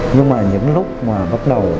nhưng mà những lúc mà bắt đầu